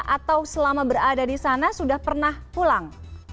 atau selama berada di sana sudah pernah pulang